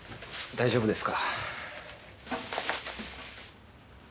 大丈夫です。